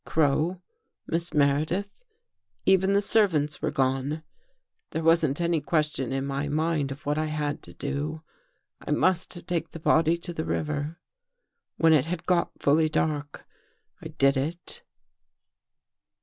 Crow, Miss Meredith, even the servants were gone. " There wasn't any question in my mind of what I had to do. I must take the body to the river. When it had got fully dark, I did it."